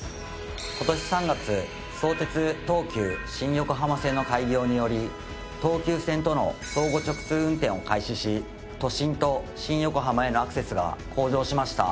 今年３月相鉄・東急新横浜線の開業により東急線との相互直通運転を開始し都心と新横浜へのアクセスが向上しました。